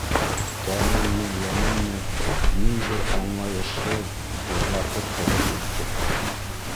Тәненме, йәненме ниҙер аңлайышһыҙ һыҙлатып һыҙып үтте.